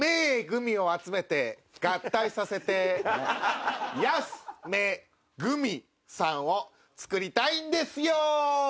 グミを集めて合体させて安めぐみさんを作りたいんですよ。